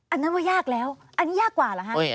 อันนั้นว่ายากแล้วอันนี้ยากกว่าเหรอฮะ